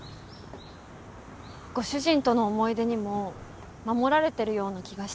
ご主人との思い出にも守られてるような気がしたんです